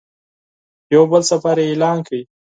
یو بل سفر یې اعلان کړ.